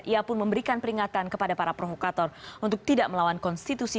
ia pun memberikan peringatan kepada para provokator untuk tidak melawan konstitusi